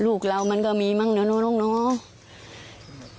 ลูกเรามันก็มีมั้งเนาะน้องเนาะ